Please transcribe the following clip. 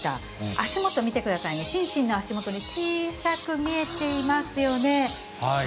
足元見てくださいね、シンシンの足元に小さく見えていますよね。